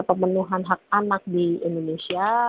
pemenuhan hak anak di indonesia